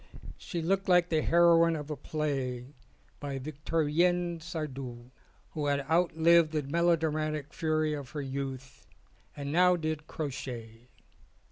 She looked like the heroine of a play by Victorien Sardou who had outlived the melo dramatic fury of her youth and now did crochet.